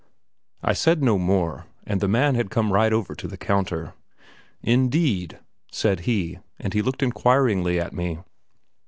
I said no more. The man had come right over to the counter. "Indeed!" said he, and he looked inquiringly at me.